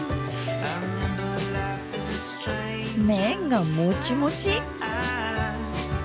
麺がもちもち！